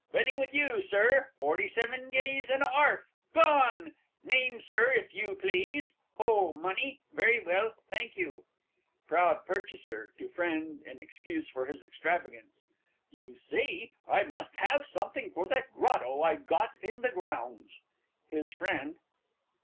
Bidding with you, Sir. Forty seven guineas and a 'arf Gone! Name, Sir, if you please. Oh, money? Very well. Thank you. PROUD PURCHASER (to Friend, in excuse for his extravagance). You see, I must have something for that grotto I've got in the grounds. HIS FRIEND.